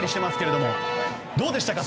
どうでしたか？